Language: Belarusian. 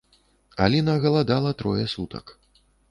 Аліна галадала трое сутак.